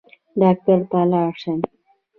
ډاکټر ته لاړ شئ